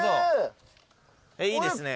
いいですね。